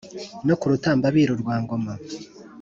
No ku Rutambabiru rwa ngoma